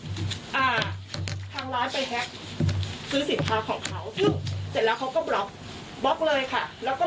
ที่ไหนมาแจ้งเราว่าอ่าทางร้านไปซื้อสินค้าของเขา